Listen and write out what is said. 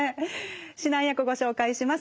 指南役ご紹介します。